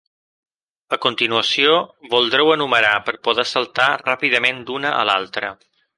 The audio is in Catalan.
A continuació, voldreu enumerar per poder saltar ràpidament d'una a l'altra.